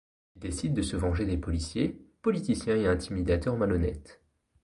Il décide de se venger des policiers, politiciens et intimidateurs malhonnêtes.